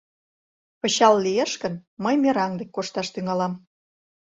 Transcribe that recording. Пычал лиеш гын, мый мераҥ дек кошташ тӱҥалам...